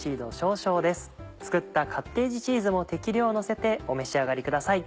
作ったカッテージチーズも適量のせてお召し上がりください。